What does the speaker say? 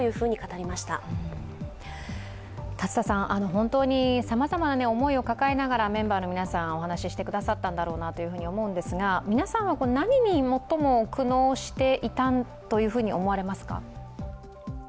本当にさまざまな思いを抱えながら、メンバーの皆さん、お話ししてくださったんだろうなと思うんですが、皆さんは何に最も苦悩していたと思われますか？